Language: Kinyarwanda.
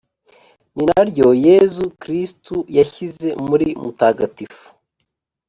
ni naryo yezu kristu yashyize muri mutagatifu